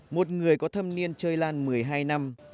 một người có thâm niên chơi lan một mươi hai năm